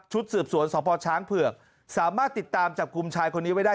สืบสวนสพช้างเผือกสามารถติดตามจับกลุ่มชายคนนี้ไว้ได้